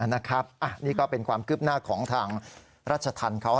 นี่ก็เป็นความคืบหน้าของทางราชธรรมเขา